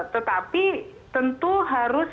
tetapi tentu harus